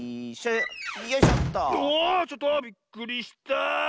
うおちょっとびっくりしたあ。